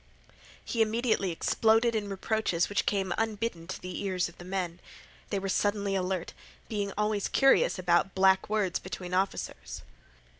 He immediately exploded in reproaches which came unbidden to the ears of the men. They were suddenly alert, being always curious about black words between officers.